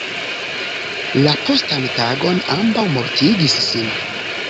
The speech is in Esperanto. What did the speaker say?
La postan tagon ambaŭ mortigis sin.